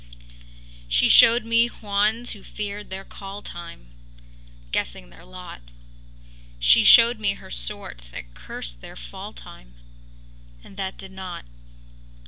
She showed me Juans who feared their call time, Guessing their lot; She showed me her sort that cursed their fall time, And that did not.